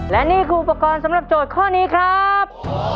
และนี่คืออุปกรณ์สำหรับโจทย์ข้อนี้ครับ